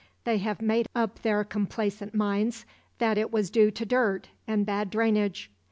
They have made up their complacent minds that it was due to dirt and bad drainage.